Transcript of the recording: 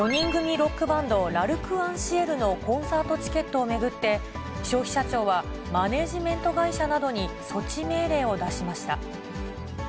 ロックバンド、Ｌ’ＡｒｃｅｎＣｉｅｌのコンサートチケットを巡って、消費者庁はマネージメント会社などに措置命令を出しました。